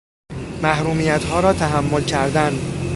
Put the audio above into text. محرومیت ها را تحمل کردن